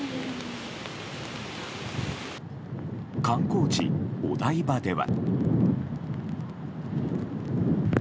観光地、お台場では。